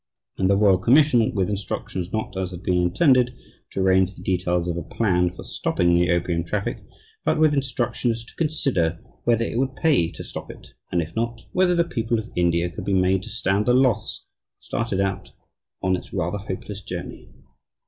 And the Royal Commission, with instructions not, as had been intended, to arrange the details of a plan for stopping the opium traffic, but with instructions to consider whether it would pay to stop it, and if not, whether the people of India could be made to stand the loss, started out on its rather hopeless journey.